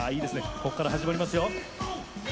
こっから始まりますよ！